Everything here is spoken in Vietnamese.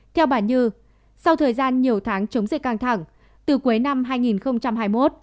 theo bà như sau thời gian nhiều tháng chống dịch căng thẳng từ cuối năm hai nghìn hai mươi một